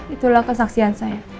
itulah kesaksian saya